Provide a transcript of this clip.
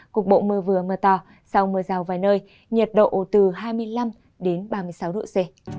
cục bộ mưa vừa mưa to sau mưa rào vài nơi nhiệt độ từ hai mươi năm đến ba mươi sáu độ c